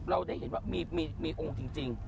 เราได้เห็นว่ามีองค์จริง